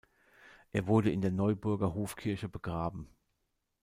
Er wurde in der Neuburger Hofkirche begraben.